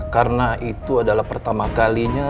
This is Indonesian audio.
karena itu adalah pertama kalinya